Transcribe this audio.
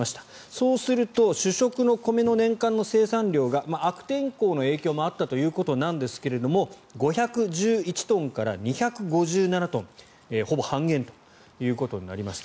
そうすると主食の米の年間生産量が悪天候の影響もあったということなんですけれども５１１万トンから２５７万トンほぼ半減ということになりました。